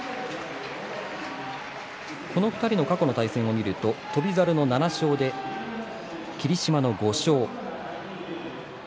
この２人の過去の対戦を見ると翔猿の７勝で、霧島の５勝。